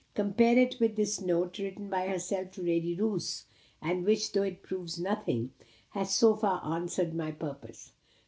Compare it with this note written by herself to Lady Roos, and which, though it proves nothing, has so far answered my purpose.